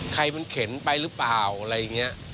ใครมันเข็มไปรึเปล่าอะไรอย่างเงี้ย